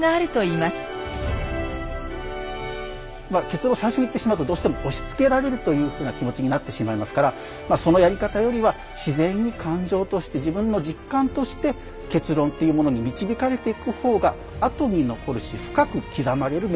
結論を最初に言ってしまうとどうしても押しつけられるというふうな気持ちになってしまいますからそのやり方よりは自然に感情として自分の実感として結論っていうものに導かれていく方がと思うんですね。